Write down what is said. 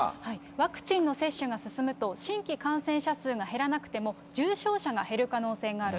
ワクチンの接種が進むと、新規感染者数が減らなくても、重症者が減る可能性がある。